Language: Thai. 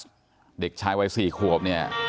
เพราะว่าน้องออกาซเด็กชายวัย๔ขวบ